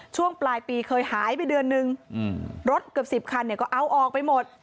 ช่วงปลายปีเคยหายไปเดือนนึงรถเกือบ๑๐คันเนี่ยก็เอาออกไปหมด